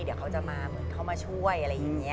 เดี๋ยวเขาจะมาเหมือนเข้ามาช่วยอะไรอย่างนี้